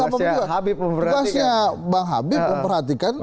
tugasnya bang habib memperhatikan jokowi